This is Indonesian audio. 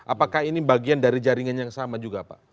apakah ini bagian dari jaringan yang sama juga pak